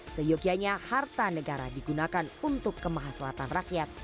seyogianya harta negara digunakan untuk kemahaselatan rakyat